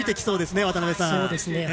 そうですね。